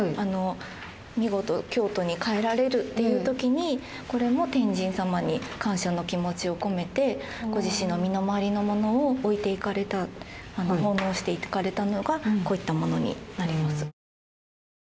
見事京都に帰られるっていう時にこれも天神さまに感謝の気持ちを込めてご自身の身の回りのものを置いていかれた奉納していかれたのがこういったものになります。